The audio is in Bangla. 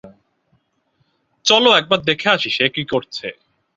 চলো, একবার দেখে আসি সে কী করছে।